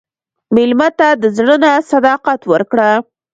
مېلمه ته د زړه نه صداقت ورکړه.